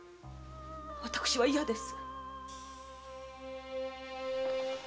私は嫌です。